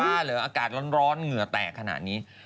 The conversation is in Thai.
อากาศร้อนร้อนเหงือแตกขนาดนี้